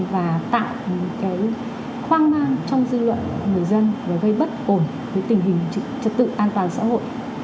và tạo hoang mang trong dư luận người dân và gây bất ổn với tình hình trật tự an toàn xã hội